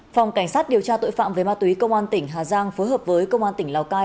phòng cảnh sát điều tra tội phạm về ma túy công an tỉnh hà giang phối hợp với công an tỉnh lào cai